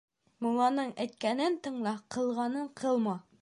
Мулланың әйткәнен тыңла, ҡылғанын ҡылма.